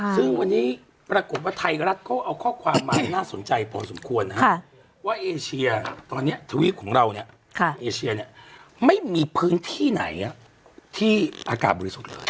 ซึ่งวันนี้ปรากฏว่าไทยกับรัฐเองก็เอาข้อความหมายน่าสนใจพอสมควรว่าเทวีวของเราเนี่ยอเชียไม่มีพื้นที่ไหนที่อากาศบริสุทธิ์เลย